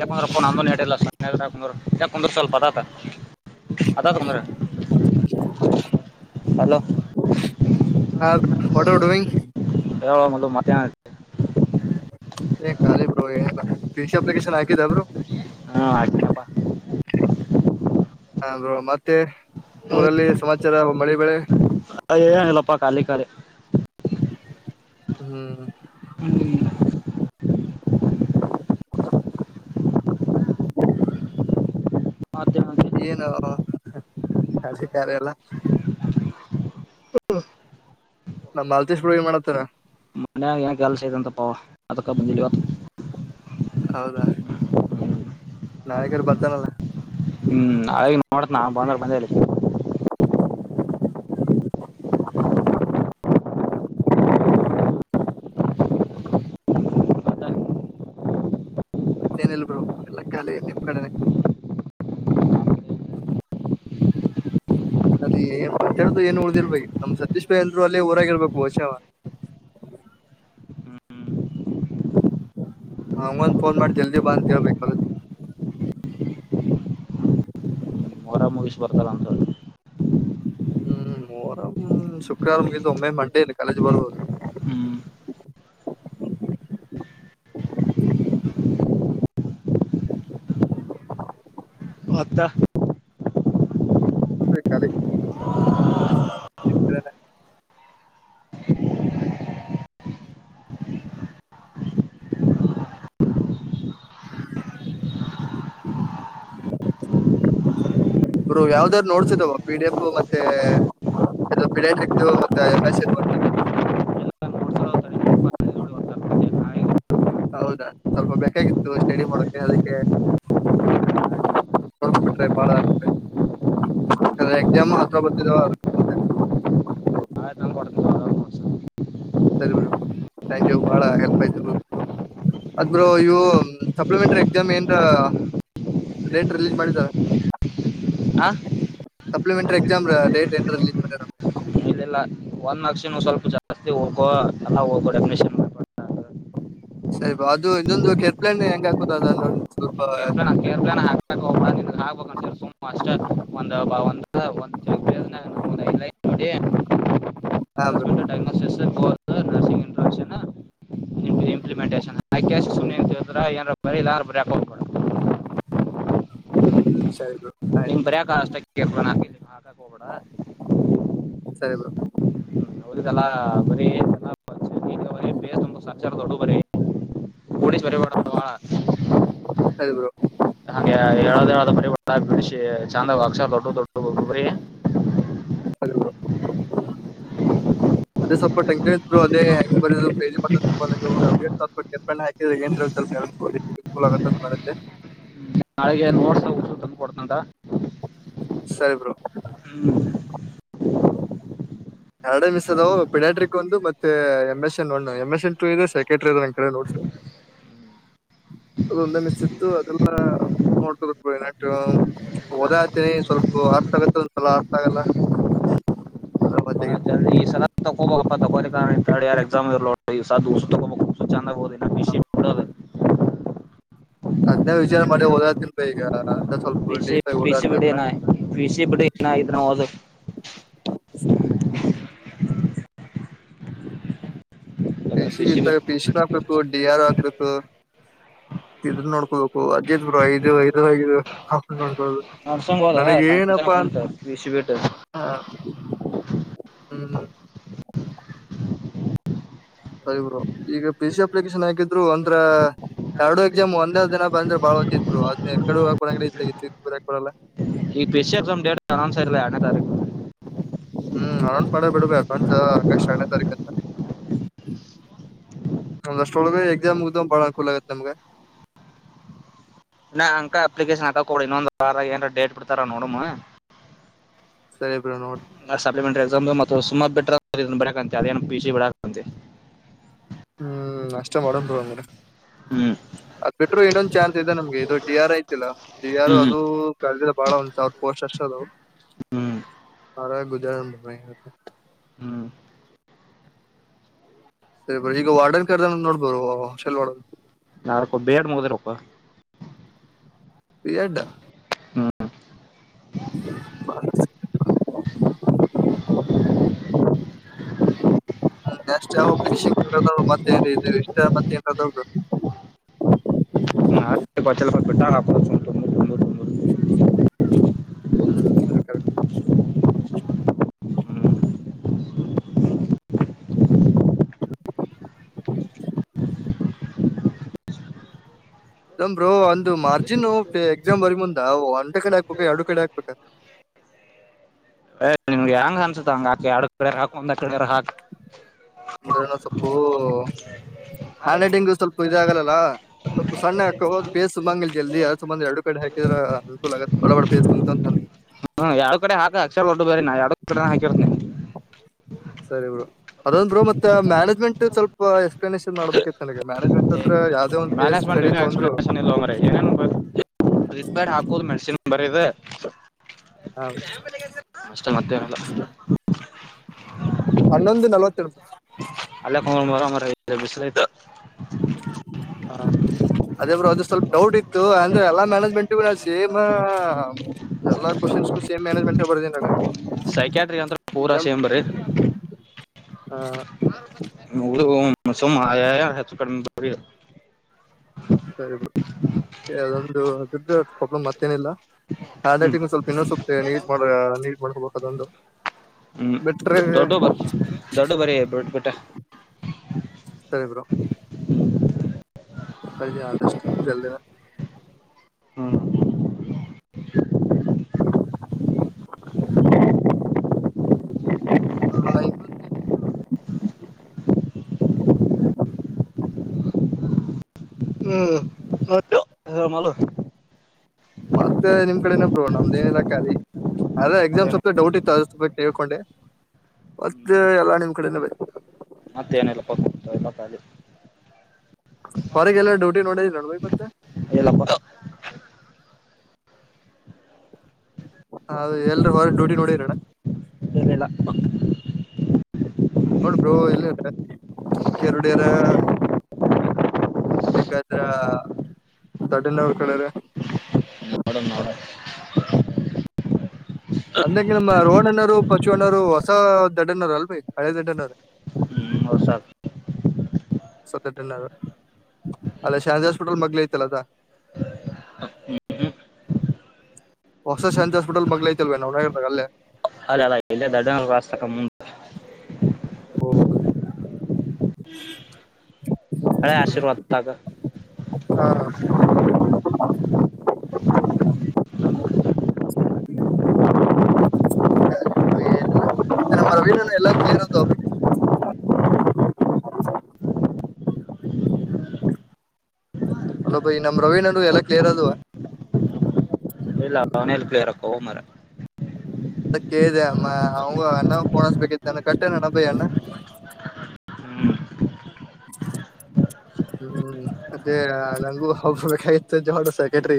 ಯಾಕಂದ್ರಪ್ಪ ನಂದ ಯಾಂದ್ರ ಯಾಕ ಕುಂದ್ರ ಸ್ವಲ್ಪ ಅದತ ಅದ ಕುಂದ್ರ ಅಲೋ ಹಾ ಬ್ರೋ, ವಾಟ್ ಆರ್ ಡೂಯಿಂಗ್ ತ್ಯಾರ್ ಏ ಖಾಲಿ ಬಪ್ಲಿಕೇಶನ್ ಹಾಕಿದಾ ಬ ಹಾ ಆತಪ್ಪ ಹರು ಮತ್ತೆ ಊರಲ್ಲಿ ಸಮಾಚಾರ ಮಳೆ ಬೆಳೆ ಕಾಲ ಕರೆ ಹ್ಮ್ [inaudible] [inaudible] ಮತ್ತೇನಂತಿ ಏನ ಕಾಲ ಕಾರೆ ಎಲ್ಲ ಹ್ಮ ನಮ ಬಲ್ತೇಶ್ ಬಿಡು ಮಾಡತಾರ ಮ ಕೆಲ್ಸಂತಪ್ಪ ಅದಕ್ಕ ಬಂದತ್ತು ಹೌದಾ ನಾಯಕರು ಬರ್ತಾನಲ್ಲ ಹ್ಮ್ ಅದ ನೋಡತ್ ನಾ ಬಂದ ಬಂದೇ [inaudible] ಮತ್ತೆ ಮತ್ತೇನು ಇಲ್ಲ ಬ್ರೋ ಕಾಲಿ ನಿಮ್ ಕಡೆನೆ ಸರಿ ಏ ಮಾತಾಡ್ದು ಏನು ಉಳ್ದಿರ್ಬೇಕ ನಮ್ ಸತೀಶ್ ಭಾಯಿ ಅಂದ್ರು ಅಲ್ಲೇ ಊರಾಗಿರ್ಬೇಕು ವಓಷಾವ ಹಂಗಂದ ಫೋನ್ ಮಾಡಿ ಜಲ್ದಿ ಬಂದ ಹೇಳ್ಬೇಕು ಹೊಲ ಮೊರ ಮುಗಿಸಿ ಬರ್ತಾರ ಅಂತ ಹೇಳಿ ಹ್ಮ್ ಮೂವಾರ ಶುಕ್ರವಾರ ಮುಗಿದ್ದ ಒಮ್ಮೆ ಮಂಡೇ ಕಾಲೇಜ್ ಬರ್ಬ ಹ್ಮ್ ಅತ್ತ ಬೇಕಾಲ [inaudible] ಅವರು ಯಾವ್ದಾದರು ನೋಡ್ಸಿದಾವ ಪಿಡಿ ಎಫ ಮತ್ತೆ ಪಿ ಮತ್ತೆ ಮೆಸಜ್ ಬ ಎಲ್ಲ ನೋಡ್ತಾರ ನೋಡಿ ಇವತ್ತು ತರ್ತೀನಿ. ನಾಳೆ- ಹೌದಾ ಸ್ವಲ್ಪ ಬೇಕಾಗಿತ್ತು ಸ್ಟಡಿ ಮಾಡಕ ಅದಕ್ಕೆ ನಡ್ಕ ಬಿಿಟ್ರೆ ಬಾಳ ಎಕ್ಸಾಮ್ ಅತ್ರವಾ ಬತ್ತಿದಾವ ಅದಕ್ಕೆ ನಾಳೆ ತಂದು ಕೊಡ್ತೀನಿ ನೋಡ್ಸ್. ಸರಿ ಬಂಕ್ ಯ ಬಾಳ ಹೆಲ್ಪ್ ಆಯತ ಅದ್ ಬ ಇ ಸಪ್ಲಿಮೆಂಟರಿ ಎಕ್ಸಾಮ್ ಏ ಡೇಟ್ ರಿಲೀಸ್ ಮಾಡಿದ ಆ ಅಪ್ಲಿಮೆಂಟ್ರೂ ಎಕ್ಸಾಮ ಡೇಟ್ಸ್ ಮಾಡ ಇಲ್ಲ ಒಂದ್ ನಕ್ಷಿ ಸ್ವಲ್ಪ ಜಾಸ್ತಿ ಹೋ ಎಲ್ಲಾ ಹೋ ಡೆಫಿನನ್ ಮಾಡ ಸರಿ ಬಾ ಅದು ಇನ್ನೊಂದು ಕೆರ್ಪ್ಲಣ್ಣ ಹೆಂಗ ಹಾಕುದ ಅದ ನ ಕೆೇರ್ಲ ಕಲ ಹಾಕ ಒ ಹಾಕ್ಬ ಸರ್ ಸುಮ್ ಅಷ್ಟ ಒಂದ ಬಬ ಒ ಅಲ್ಲ ಒಂದ ನ ಇಲ್ಲ ನೋಡಿ ಹಾ ಬ್ರೋ ಸಸ್ಪೆಕ್ಟ್ ಡಯಾಗ್ನೋಸ್ಸ್ರ್ ಬ ನರ್ಸಿಂಗ್ ಇನ್ಟ್ರಕ್ಷನ್ ಇಂಪ್ಲಿಮೆಂಟೇಶನ್ ಸುಮನೆ್ರ ಏಾರ ಬರರಿ ಎಲ್ಲಾರ ಬರಕ [inaudible] ಸರಿ ಬ್ರೋ ನೀನ್ ಆಯ್ತು ಬರಿಕ ಅಷ್ಟಬಡ ಹಾಕಕ್ ಸರಿ ಬ್ರೋ ಹೋಗಬೇಡಲ್ಲ ಬರಿ ಇನ್ನಟ ದೊಡ್ಡು ಬರೀ. ಕೂಡಿಸಿ ಬರಿಬೇಡ ಅವ ಭಾಳ. ಸರಿ ಬ್ರೋ ಹಂಗೆ ಹೇಳದ [unintelligible] ಬರಿ ಬಿಡಿಸಿ ಚಂದಾಗ ಅಕ್ಷರ ದೊಡ್ಡು ದೊಡ್ಡು ಬರೀ ಸರಿ ಬ್ರೋ ಅದೇ ಸ್ವಲ್ಪ ಟಂಕರ್ ಇದ್ರು ಅದೇ ಹೆಂಗ ಬರಿಯೋದು ಪೇಜ್ ತುಂಬ [unintelligible] ಕೊಡ್ತನಾ. ಸರಿ ಬ್ರೋ ಎರಡ ಮಿಸ್ ಅದಾವು ಪಿನ್ಯಾಡ್ರಿಕ ಒಂದು ಮತ್ತೆ. ಮತ್ತೆ M S one M S N two ಇದೆ ಸೆಕರ್ಟಿ ಇಲ್ಲ ನನ್ ಕಡೆ ನೋಡ್ಸು. ಅದೊಂದೇ ಮಿಸ್ ಇತ್ತು ಅದೆಲ್ಲಾ. ನೋಡ್ಕ [unintelligible] ಬ ನು ಹ ಓದಾ ಹತೀನಿ ಸ್ವಲ್ಪ ಅರ್ಥ ಆಗತ್ತ ಒಂದಸಲ ಅರ್ತ ಆಗಲ್ಲ ಅದ್ರ ಮತ್ತೆಗೆ ಜಲ್ದಿ ಈ ಸಲ ತಕ್ಕೋಬೋದ. ತಕ್ಕೊಲ್ಲಿಲ್ಲ ನಡೀತದ ಥರ್ಡ್ ಇಯರ್ ಎಕ್ಸಾಮ ಈ ಸದ್ಯ ಅಷ್ಟು ತಕ್ಕೋಬೇಕು ಚಂದಗ ಒದ. [unintelligible] ಅದ್ನಾವ ವಿಚಾರ ಮಾಡಿ ಓದಾತಿನೀ ಭೈ ಈಗ. ಅದ ಸ್ವಲ್ಪ ಪಿಸಿ ಡೀಪ್ ಆಗಿ ಪಿಸಿ ಓದಾತೀನಿ ಅದ್ರ ಬಿಡಏನ ಪಿಸಿ ಬಿಡಏನ ಇನ್ನ ಓದು ಹ [unintelligible] ಪಿಸಿ ಪಿ ಸಿ ಬಿಡಿ ಇತ್ತ ಪಿಸಿ ನ ಹಾಕ್ಬೇಕು ಡಿ ಆರ್ ಹಾಕ್ಬೇಕು ಇದ್ ನೋಡ್ಕೋಬೇಕು ಅಜಿತ್ ಬರು ಐದು ಐದು ನೋಡ್ಕೋುದು ನಡ್ಸಂಗ್ ಹೋದ ನನಗ ಸಣ್ಣ ಸಣ್ಣ ಏನಪ್ಪಾ ಕುಂತ ಪಿ ಸಿ ಬಿಟ್ಟು ಅ ಹ ಹ್ಮ. ಸರಿ ಬ್ರೋ ಈಗ ಪಿ ಸಿ ಅಪ್ಲಿಕೇಶನ್ ಹಾಕೀದ್ದ. ರು ಅಂದ್ರ ಎರಡು ಎಕ್ಸಾಮ್ ಒಂದೇ ದಿನ ಬಂದ್ರೆ ಬಾಳ ವಜ್ಜ ಆಯ್ತು ಬ್ರೋ ಅದನ್ನು ಯಾವ್ಕಡೆ ಹೋಗಾಕ್ ಬರಲ್ಲ ಇದನ್ನ ಈ ಕಡೆ ಇದನ್ನು ಬರಿಯಾಕ್ ಆಗಲ್ಲ ಈಗ P C exam date announce ಆಗಿಲ್ಲ ಎರಡನೇ ತಾರೀಕು ಹ್ಮ್ ಅದೊಂದ ಪಾಡ ಆಯ್ತಿ ಬಿಡ್ ಬೇ ಆಗಸ್ಟ್ ಎರಡನೇ ತಾರೀಕ ಅಂತ. ಅವನಷ್ಟು ಉಳದಿದ ಎಕ್ಸಾಮ ಮುಗ್ಡು ಅಂದ್ರ ಭಾಳ ಅನುಕೂಲ ಆಗುತ್ತ ನಮಗ. ನಾ ಅಂಕ ಅಪ್ಲಿಕೇಶನ್ ಹಾಕ ಕೊಡಿ ಇನ್ನೊಂದು ವಾರ ಏನಾರ ಡೇಟ್ ಬಿಡ್ತಾರ ನೋಡಮ್. ಸರಿ ಬ್ರೋ ನೋಡ. ಸಪ್ಲಿಮೆಂಟರಿ ಎಕ್ಸಾಮ್ ಅದಾವ ಮತ್ತ ಹೊಳ್ಳಿ ಬಿಟ್ರ ಇದನ್ನು ಬರಿಯಾಕ್ ಅಕ್ಕೆತ್ ಅದೇನ್ ಪಿಸಿ ಬಿಡಾಕ್ ಬರತೈತಿ. ಹ್ಮ ಹ್ಮ್ ಅಷ್ಟ ಮಾಡುನು ತೊಗೊ ಅಂದ್ರೆ ಹ್ಮ್ ಅದ್ ಬಿಟ್ರು ಇನ್ನೊಂದ್ ಚಾನ್ಸ್ ಇದೆ ನಮ್ಗೆ ಇದು ಡಿ ಆರ್ ಐತಿಲ್ಲಾ ಡಿ ಆರ್ ಹ್ಮ್ ಅದು ಕರದಿಲ್ಲ ಬಾಳ ಒಂದ್ ಸಾವಿರ. ಪೊಸ್ಟ್ ಎಷ್ಟ ಅದಾವೂ. ಹ್ಮ್ ಅದರಾಗ ಗುದ್ದಾಡುದ [inaudible] ಹ್ಮ್ ಸರಿ ಬಿಡಿ ಈಗ ವಾರ್ಡನ್ ಕರದಾನ ಅಂತ ನೋಡ್ ಬ್ರೋ ಹಾಸ್ಟೆಲ್ ವಾರ್ಡನ್. ಎ ಅದಕ್ಕ ಬಿ ಎಡ್ ಮುಗದಿರಬೇಕೋ. B Ed. ಹ್ಮ್. [unintelligible] ಹ್ಮ್ ಎಷ್ಟ ಯಾವದ ಮತ್ತ ಏನ್ ಇದ ಇಷ್ಟ ಮತ್ತ ನ್ದಾವದು ಅಷ್ಟೇ ಕೊಚ್ಚಲ್ಪ ಬಿಟ್ಟ ಹಾಕೋದು ಸುಮ್ ತುಂಬುದು ತುಂಬುದು ತುಂಬುದು ಹ್ಮ್ ಹ್ಮ್ ಇಂಬರು ಒಂದು ಮಾರ್ಜಿನ್ ಎಕ್ಸಾಮ್ ಬರಿ ಮುಂದ ಒಂಟ ಕಡೆ ಹಾಕ್ಬೇಕ ಎರಡು ಕಡೆ ಹಾಕ್ಬೇಕ ್ ಯಂಗ ಅನ್ಸತ ಯಡು ಕಡೆಾಕ ಅಂದ್ರ ಸ್ವಪು ಹ್ಯಾಂಡ್ ರೈಟಿಂಗು ಸ್ವಲ್ಪ ಇದಾಗಲ್ಲಲ್ಲ ಸ್ವಲ್ಪ ಸಣ್ಣ ಹಾಕೋದು ಬೇಸ್ ಸು ಮಂಗಿಲ್ಲ ಜಲ್ದಿ ಅ ಸುಮ್ಮ ಎರಡು ಕಡೆ ಹಾಕಿದ್ರ ಬಳ ಬಡೇ ೋ ಬ ನ ಯಡು ಕಡೆ ಹಾಕಿರನೆ ಸರಿ ಬ ಅದಂದರು ಮತ್ತೆ ಮ್ಯಾನೇಜ್ಮೆಂಟ್ ಸ್ವಲ್ಪ ಎಕ್ಸ್ಪ್ಲನೇೇಶನ್ ಮಾಡ್ಬೇಕಿತ್ತು ನನಗೆ ಮ್ಯಾನೇಜ್ಮೆಂಟ್ ಅಂದ್ರ ಯಾವ್ದೇ ಒಂದ್ ಕೇಸ್ ಮ್ಯಾನೇಜ್ಮೆಂಟ್ ಸ್ಟಡಿ ಏನು ತಂದ್ರು ಎಕ್ಸ್ಪ್ಲನೇಷನ್ ಬೇ ಹಕೋದು ಮೇ್ ಬರದ ಷ್ಟ ಹನ್ನೊಂದು ನಲ್ವತ್ತೆರಡು ಅಲ್ಲಿ ಕರ ಇ ಬಿಸ್ಲ ಇ ಹ ಅದೇ ಬ್ರರು ಅದ್ರ ಸ್ವಲ್ಪ ಡೌಟ್ ಇತ್ತು ಅಂದ್ರೆ ಎಲ್ಲಾ ಮ್ಯಾನೇಜ್ಮೆಂಟ್ಗೂ ನಸಿ ಮ ಹ ಎಲ್ಲನ್ೇಮ್ ಮ್ಯಾನೇಜ್ಮೆಂಟ್ ಬರ್ದನ ಸೈಕ್ಯಾಟ್ರಿ ಅಂತ್ರ ಪೂರಾ ನ ಸೇಮ್ ಬರೀ ಹ ಮಸಮ ಆಯ ಯಾರ ಹೆಚ್ಚಕ ಸರಿ ಬ್ರ ಅದೊಂದು ದುಡ್ಡ ಕೊಬ್ಲ ಮತ್ತೇನ ಹಂಡ್ ಹ್ಮ್ ರೈಟಿಂಗ್ ಸ್ಲ್ಪ ಇನ್ನೊತ ನೀಟ್ ನೀ ಅದೊಂದು ಹ್ಮ್ ಬಿಟ್ರೆ ದೊಡ್ಡೋ ಬ ದೊಡ್ಡ ಬರ ಬ ಬೇಟ ಹ ಅಲ್ಲಿ ಆದಷ್ಟುಲ್ಿನ ಹ್ಮ [inaudible] ಹ್ಮ್ಮಲ ಮತ್ತೆ ನಿಮ್ ಕಡೆನ ಬೋ ನಮ್ದೇನಲ್ಲ ಖಾಲಿ ಆದ್ರೆ ನಮ್ ಕಡೆ ಎಕ್ಸಾಮ್ ಏನು ಸ್ವಲ್ ಡೌಟ್ ಇಲ್ಲ. ಇತ್ತು ಅದ ಸ್ವಲ್ಪ ಕೇಳ್ಕೊಂಡೆ ಮತ್ತೆ ಎಲ್ಲಾ ನಿಮ್ ಕಡೆನ ಬೇಕ ಮತ್ತೇಏನೆಲ್ಲಪ್ಪತ ಎಲ್ಲ ತಾಲಿ ಹೊರಗೆಲ್ಲ ಡ್ಯೂಟಿ ನೋಡ ರಣಬ ಮತ್ತೆ ಇಲ್ಲಪ್ಪ ಹದು ಎಲ್ರುೂ ಹೊರ ಡ್ಯೂಟಿ ನೋಡಿರಣ್ಣ ಏನಿಲ್ಲ ನೋಡಬರು ಎಲ್ಲಿರ ಕೆರುಡರ ಲೇಕಾದ್ರ ದೊಡಿನವ್ರ ಕಳಾರ ನೋಡ ನೋಡ ಅಂದಂಗ ನಮ್ಮ ರೋಹಣ ಅ್ಣೋರು ಪಚು ಅಣ್ಣೋರು ಹೊಸ ದಡ್ಡ ಅಣ್ಣವರು ಅಲ್ೀ ಹಳೆ ದಡ್ಡ ಅಣ್ರ ಹ್ಮ್ಸ ಸ ಅಲ್ಲ ಶಾಜಿ ಹಾಸ್ಪಿಟಲ್ ಮಗ್ಲ ಐತಲ್ಲ ಅದ ಹೊಸ ಶಾಂತ ಹಾಸ್ಪಿಟಲ್ ಮಗ್ಳ ಐತಲ್ವೆ ನೋತಲ್ಲೇ ಅದ ಅಲ್ಲ ಇಲ್ಲ ದಡ್ಡ ಕಸ್ತಕ್ಕ ಮುಂದ ಹೌ ಅರೆ ಆಶೀರ್ವಾದ ತಾಗ ಹಾ ಏ ಮವ ಎಲ್ಲ ಇರೋದು [inaudible] ಅಲ ಬೈ ನಮ್ ರವಿ್ಣ ಎಲ್ಲಾ ಕ್ಲಿಯರ್ ಅದುವ ಇಲ್ಲ ಅವನಲ್ ಕ್ಲಿಯರಕ್ಕ ಹ ಮರ ಅ ಕೇಳಿದೆ ಅಮ್ಮ ಅವಂಗ ಅನ್ನ ಪೋಣಸ್ಬೇಕಿತ್ತು ನನ ಕಟ್ಟಣ ನ ಬೈ ಅಣ್ಣ ಹ [unintelligible] ಹ್ಮ್ ಅದೇ ನಂಗು ಹಬೇಕಾಗಿತ ಜೋಡ ಸೆಕ್ರೆಟ್ರ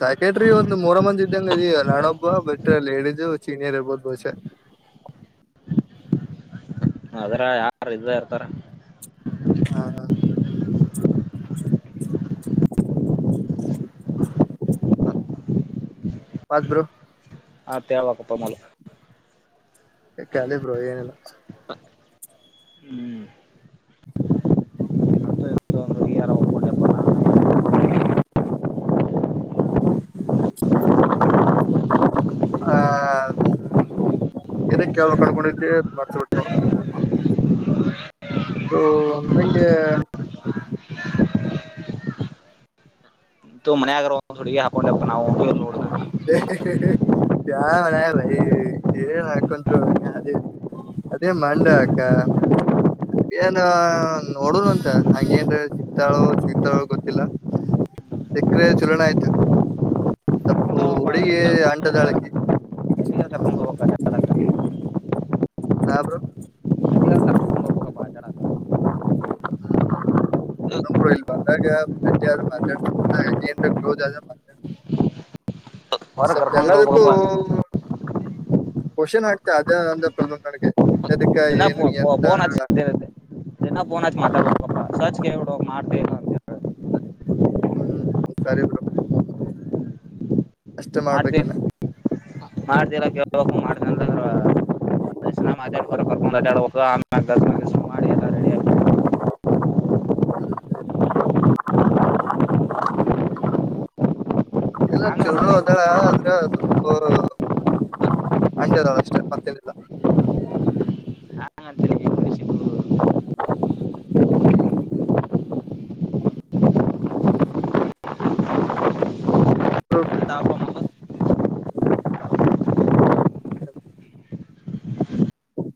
ಸೆಕ್ರೆಟ್ರಿ ಒಂದ ಮೂರ ಮಂದಿ ಇದ್ದಂಗ ಅ ನಾನೊಬ್ಬ ಬಟ್ ಲೇಡೀಸ್ ಸೀನಿಯರ್ ಇರ್ಬೋದ ಬಹುಷ ಅದ್ರ ಯಾರ ಇದ ಇರ್ತಾರ ಹಾ [unintelligible] ಮತ್ ಬ್ರೋ ಆ ಮಳಕ್ಕೊಪ್ಪಮಳ [unintelligible] ಕಾಲಿ ಬ್ರೋ ಏನಿಲ್ಲ ಹ್ಮತ್ತರ ನಾವ [unintelligible] ಹ ಏನ ಕೇಳ್ದ ಕಂಡ್ಕೊಂಡಿದ್ರಿ ಮರ್ತ್ ಬಿಿಟ್ಟ ನಂಗೆ ತುಮನಗ್ರ [unintelligible] ೆಪ್ ಒೋ [unintelligible] ಚಾ ಮನೈ ಏನ್ ಹಾಕಂದ್ರು ಅದ ಅದೇ ಮಂಡ ಅಕ್ಕ ಏನ್ ನೋಡುನು ಅಂತ ಹಂಗೇನ್ ಸಿಗ್ತಾಳೋ ಸಿಗ್ತಾಳೋಳ ಗೊತ್ತಿಲ್ಲ ಸಿಕ್ಕರೆ ಚಲೋಣ ಆಯ್ತು ಓ ಕರ್ಕೊಂಡೋಗಪ್ಪ ಒಡುಗೆ ಎಲ್ಲಿ- ಎಲ್ಲಿಗಾರ ಅಂಡದಾಳಕ್ಕೆ ಎಲ್ಲಿಗಾರ ಕರ್ಕೊಂಡ್ ಹೋಗ್ಬೇಕ ಅಡ್ಡಾಡಕ [unintelligible] ಹಾ ಬ್ರೋ ಎಲ್ಲಿಗಾರ ಕರ್ಕೊಂಡ್ ಹೋಗ್ಬೇಕಪ್ಪ ಅಡ್ಡಾಡಕ [unintelligible] ಇಲ್ಲಿ ಬಂದಾಗಟ್ಟರು ಮಾರ್ನ್ ಕ್ಲೋಸ್ ಆದ ಮ ಹೊರ ಸ್ವಲ್ಪ ಕರ್ಕೊಂಡ್ ಎಲ್ಲದಕ್ಕೂ ಹೋಗ್ಬೇಕಪ್ಪ ಪೋಷನ್ ಆಗ್ತ ಅದೇ ಅಂದ ಫೋನ್ ಹಚ್ತ್ತ ಚನ ಫೋನ್ ಹಚ್ ಮಾತಾಡಬೇಕಪ್ಪ ಸರ್ಚ್ ಕೇಳ ಮಾಡ್ತನ ಅಂತ ಹ್ಮ್ ಸರಿ ಬ್ರೋ ಅಷ್ಟೇ ಮಾಡ್ತಿ ಮಾಡ್ಬೇಕಿಲ್ಲ ಮಾಡ್ತಿಲ್ಲ ಕೇಳ್ಬೇಕು ಮಾಡ್ದಂತ ಮಾತಾಡ ಹೊರ ಕರ್ಕೊಂಡ್ ಮಾತಾಡ್ಬೇಕ ಆಮ [inaudible] ಎಲ್ಲ ಹಂಗಪ್ಪ ನೀವು ಚಂದ ಅಂದಳ ಸ್ವಲ್ಪ ಹಂಡದಳ ಅಷ್ಟೆ ಮತ್ತನಿಲ್ಲ ಹಂತಿ [unintelligible] ಹ್ಮ [unintelligible] [inaudible] ಅಂತ ಅಪ್ಪ [unintelligible] ಮಗ [inaudible]